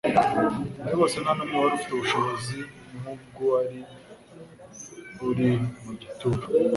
muri bose nta n'umwe wari ufite ubushobozi nk'ubw'Uwari uri mu gituro.